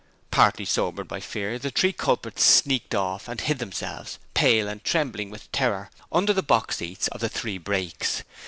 Partly sobered by fear, the three culprits sneaked off and hid themselves, pale and trembling with terror, under the box seats of the three brakes.